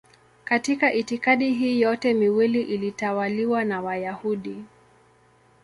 Katika itikadi hii yote miwili ilitawaliwa na Wayahudi.